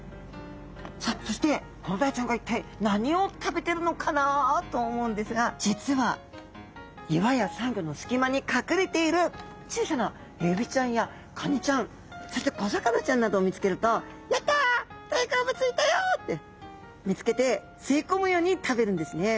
さあそしてコロダイちゃんが一体何を食べてるのかなと思うんですが実は岩やサンゴの隙間に隠れている小さなエビちゃんやカニちゃんそして小魚ちゃんなどを見つけると「やった！大好物いたよ！」って見つけて吸い込むように食べるんですね。